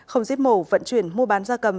không giết mổ vận chuyển mua bán da cầm